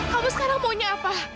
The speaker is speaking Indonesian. kamu sekarang maunya apa